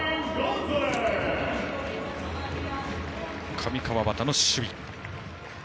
上川畑の守備。